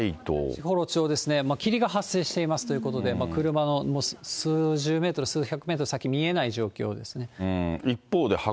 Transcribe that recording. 士幌町ですね、霧が発生していますということで、車も数十メートル、数百メートル先、見えない状況ですね。